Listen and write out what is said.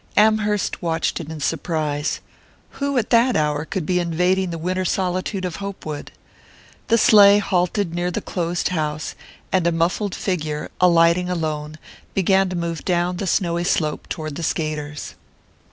Amherst watched it in surprise. Who, at that hour, could be invading the winter solitude of Hopewood? The sleigh halted near the closed house, and a muffled figure, alighting alone, began to move down the snowy slope toward the skaters.